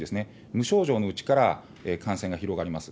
無症状のうちから感染が広がります。